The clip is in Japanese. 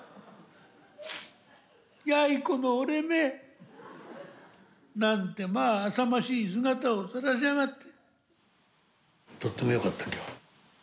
「やいこの俺め。なんてまああさましい姿をさらしやがって」。